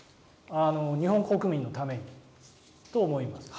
日本国民のためにと思います。